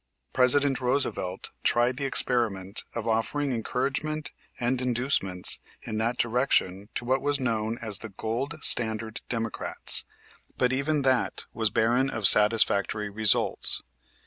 President Roosevelt tried the experiment of offering encouragement and inducements in that direction to what was known as the Gold standard Democrats, but even that was barren of satisfactory results.